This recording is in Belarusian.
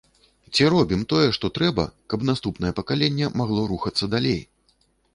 Ці робім тое, што трэба, каб наступнае пакаленне магло рухацца далей?